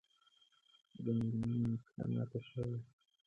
د مېرمنې مې پښه ماته شوې